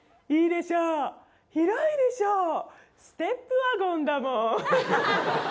いいでしょう。